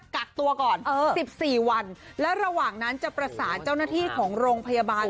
กักตัวก่อน๑๔วันและระหว่างนั้นจะประสานเจ้าหน้าที่ของโรงพยาบาล